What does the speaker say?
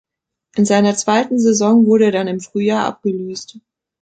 In seiner zweiten Saison wurde er dann im Frühjahr abgelöst.